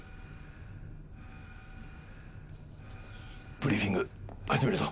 ブリーフィング始めるぞ。